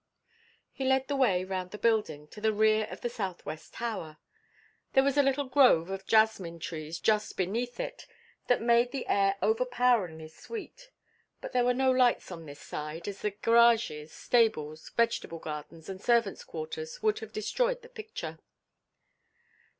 He led the way round the building to the rear of the southwest tower. There was a little grove of jasmine trees just beneath it, that made the air overpoweringly sweet, but there were no lights on this side, as the garages, stables, vegetable gardens, and servants' quarters would have destroyed the picture.